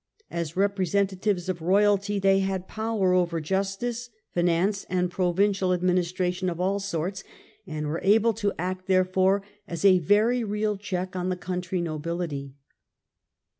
As representatives of royalty they had power over justice, finance and provincial administration of all sorts, and 64 THE END OF THE MIDDLE AGE were able to act, therefore, as a very real check on the country nobility.